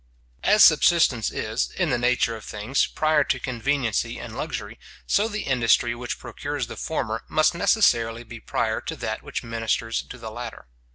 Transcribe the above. As subsistence is, in the nature of things, prior to conveniency and luxury, so the industry which procures the former, must necessarily be prior to that which ministers to the latter.